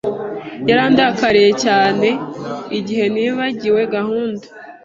Yarandakariye cyane igihe nibagiwe gahunda.